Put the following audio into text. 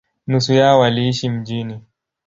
Nusu yao waliishi mjini.